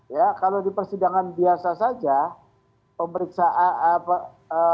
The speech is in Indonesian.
ya kalau di persidangan biasa saja pemeriksaan apa